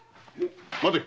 待て！